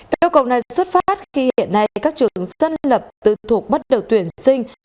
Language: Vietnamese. yêu cầu này xuất phát khi hiện nay các trường dân lập tư thuộc bắt đầu tuyển sinh